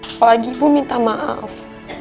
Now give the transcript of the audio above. apalagi ibu minta maaf